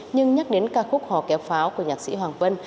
nhưng nhắc đến ca khúc hò kéo pháo của nhạc sĩ hoàng vân